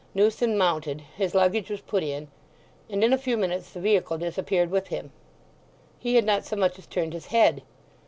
Newson mounted, his luggage was put in, and in a few minutes the vehicle disappeared with him. He had not so much as turned his head.